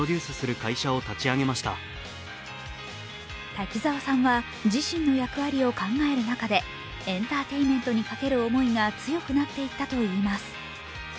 滝沢さんは自身の役割を考える中でエンターテインメントにかける思いが強くなっていったといいます。